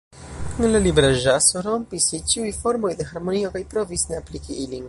La libera ĵazo rompis je ĉiuj formoj de harmonio kaj provis ne apliki ilin.